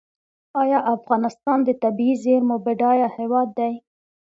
آیا افغانستان د طبیعي زیرمو بډایه هیواد دی؟